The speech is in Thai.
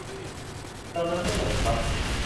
เติมน้ำให้หน่อยครับ